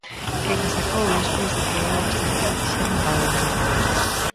Quen a sacou despois de que eu a saquei xa non pagou nada.